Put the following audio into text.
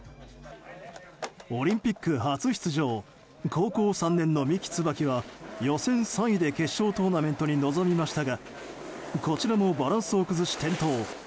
オリンピック初出場高校３年の三木つばきは予選３位で決勝トーナメントに臨みましたがこちらもバランスを崩し、転倒。